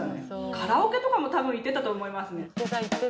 カラオケとかも多分行ってたと思いますね。